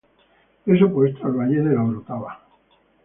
Es opuesto al Valle de La Orotava.